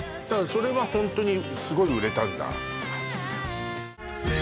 それはホントにすごい売れたんだそうそう